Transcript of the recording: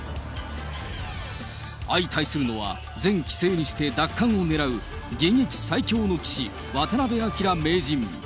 相対するのは、前棋聖にして奪還を狙う、現役最強の棋士、渡辺明名人。